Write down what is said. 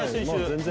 全然。